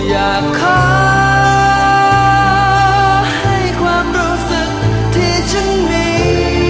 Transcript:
อยากขอให้ความรู้สึกที่ฉันมี